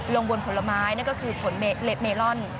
ลงบนผลไม้นั่นก็คือผลเมลอน